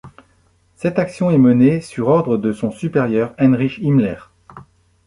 Cette action est menée sur ordre de son supérieur, Heinrich Himmler.